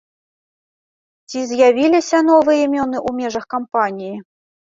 Ці з'явіліся новыя імёны ў межах кампаніі?